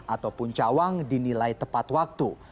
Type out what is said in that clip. ataupun cawang dinilai tepat waktu